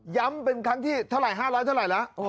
ย้ำเป็นครั้งที่ถลาย๕๐๐ถลายละ